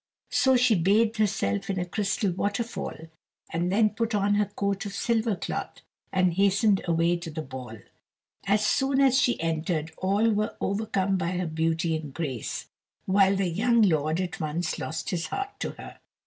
So she bathed herself in a crystal waterfall, and then put on her coat of silver cloth, and hastened away to the ball. As soon as she entered all were overcome by her beauty and grace, while the young lord at once lost his heart to her.